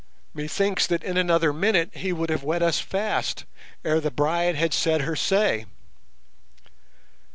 Methinks that in another minute he would have wed us fast ere the bride had said her say.